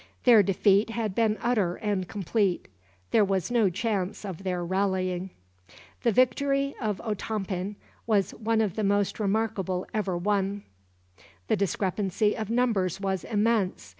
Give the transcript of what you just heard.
Their defeat had been utter and complete. There was no chance of their rallying. The victory of Otompan was one of the most remarkable ever won. The discrepancy of numbers was immense.